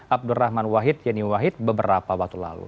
abdul rahman wahid yeni wahid beberapa waktu lalu